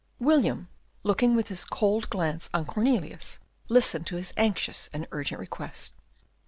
William, looking with his cold glance on Cornelius, listened to his anxious and urgent request.